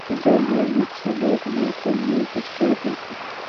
زړه يې و چې مېرمنې ته يې پېچکاري کړي.